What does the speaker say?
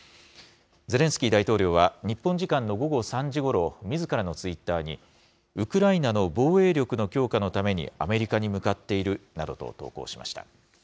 ゼレンスキー大統領は、日本時間の午後３時ごろ、みずからのツイッターに、ウクライナの防衛力の強化のためにアメリカに向かっているなどと投稿しました。